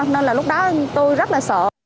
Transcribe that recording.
nên là lúc đó tôi rất là sợ